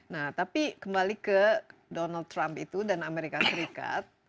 nah tapi kembali ke donald trump itu dan amerika serikat